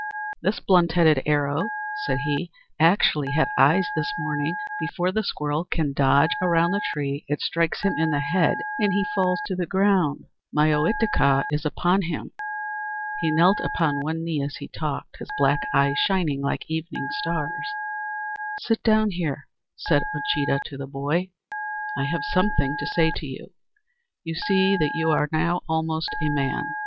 "This blunt headed arrow," said he, "actually had eyes this morning. Before the squirrel can dodge around the tree it strikes him in the head, and, as he falls to the ground, my Ohitika is upon him." He knelt upon one knee as he talked, his black eyes shining like evening stars. "Sit down here," said Uncheedah to the boy; "I have something to say to you. You see that you are now almost a man.